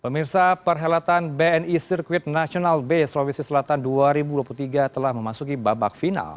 pemirsa perhelatan bni circuit national base provinsi selatan dua ribu dua puluh tiga telah memasuki babak final